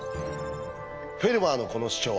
フェルマーのこの主張